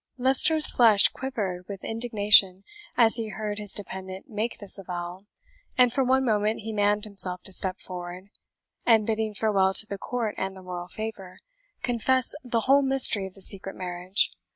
Leicester's flesh quivered with indignation as he heard his dependant make this avowal, and for one moment he manned himself to step forward, and, bidding farewell to the court and the royal favour, confess the whole mystery of the secret marriage.